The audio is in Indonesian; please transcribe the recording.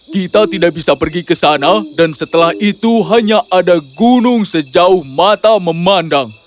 kita tidak bisa pergi ke sana dan setelah itu hanya ada gunung sejauh mata memandang